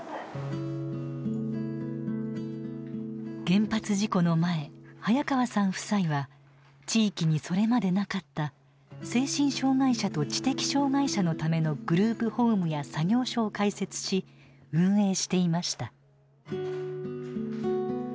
原発事故の前早川さん夫妻は地域にそれまでなかった精神障害者と知的障害者のためのグループホームや作業所を開設し運営していました。